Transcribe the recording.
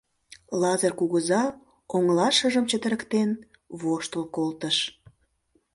Лазыр кугыза, оҥылашыжым чытырыктен, воштыл колтыш.